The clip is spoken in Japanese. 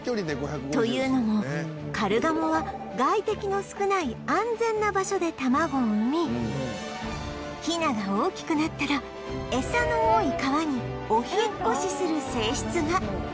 というのもカルガモは外敵の少ない安全な場所で卵を産みヒナが大きくなったらエサの多い川にお引っ越しする性質が